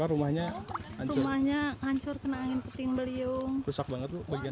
rumahnya hancur kena angin puting beliung